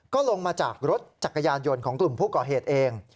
ก็ลงมาจากรถจักรยานยนต์ของกลุ่มผู้ก่อเหตุเอง